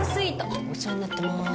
お世話になってます。